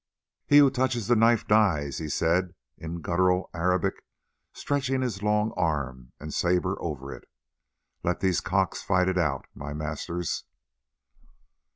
"He who touches the knife dies!" he said in guttural Arabic, stretching his long arm and sabre over it. "Let these cocks fight it out, my masters."